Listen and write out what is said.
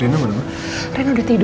renu udah tidur